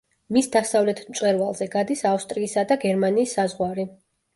მის დასავლეთ მწვერვალზე გადის ავსტრიისა და გერმანიის საზღვარი.